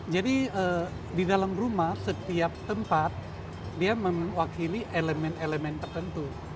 jadi di dalam rumah setiap tempat dia mewakili elemen elemen tertentu